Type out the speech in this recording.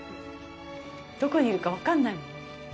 どこにいるか分かんないもん。